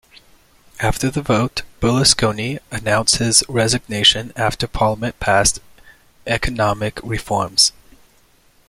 After the vote, Berlusconi announced his resignation after Parliament passed economic reforms.